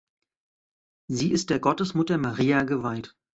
Sie ist der Gottesmutter Maria geweiht.